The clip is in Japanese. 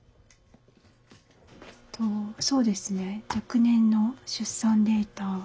そうですね若年の出産データ。